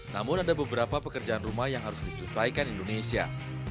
namun ada beberapa pekerjaan rumah yang harus diselesaikan indonesia